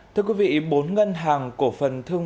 thưa quý vị bốn ngân hàng cổ phần thương